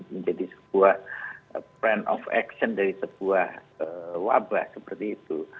menjadi sebuah plan of action dari sebuah wabah seperti itu